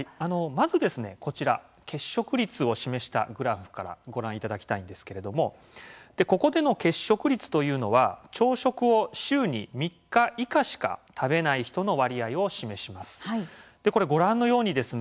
まずですね、こちら欠食率を示したグラフからご覧いただきたいんですけれどもここでの欠食率というのは朝食を週に３日以下しか食べない人の割合を示します。